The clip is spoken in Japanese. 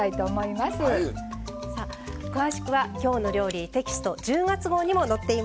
さあ詳しくは「きょうの料理」テキスト１０月号にも載っています。